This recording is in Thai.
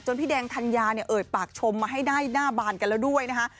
พี่แดงธัญญาเนี่ยเอ่ยปากชมมาให้ได้หน้าบานกันแล้วด้วยนะคะ